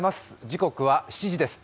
時刻は７時です。